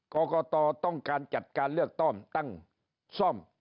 กรกตต้องการจัดการเลือกต้อมตั้งซ่อม